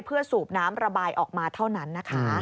เพื่อสูบน้ำระบายออกมาเท่านั้นนะคะ